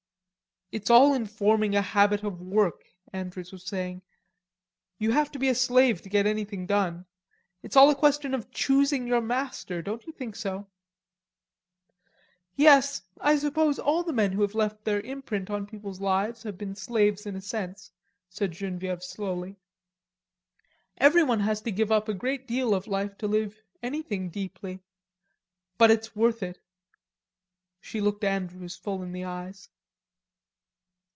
"It's all in forming a habit of work," Andrews was saying. "You have to be a slave to get anything done. It's all a question of choosing your master, don't you think so?" "Yes. I suppose all the men who have left their imprint on people's lives have been slaves in a sense," said Genevieve slowly. "Everyone has to give up a great deal of life to live anything deeply. But it's worth, it." She looked Andrews full in the eyes.